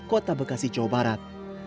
kota bekasi jawa barat